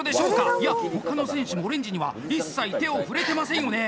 いや、他の選手も、オレンジには一切、手を触れてませんよね。